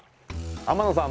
天野さん